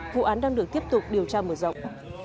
vụ án đang được tiếp tục điều tra mở rộng